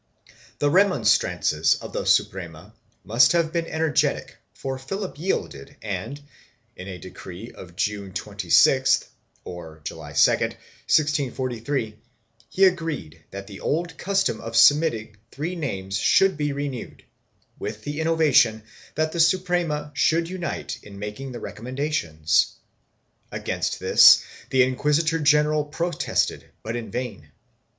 The remonstrances of the Suprema must have been energetic for Philip yielded and, in a decree of June 26 (or July 2), 1643, he agreed that the old custom of submitting three names should be renewed, with the innovation that the Suprema should unite in making the recommendations. Against this the inquisi tor general protested, but in vain.